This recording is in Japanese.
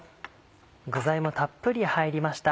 具材もたっぷり入りました。